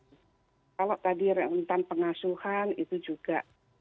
kalau tadi rentan pengasuhan itu juga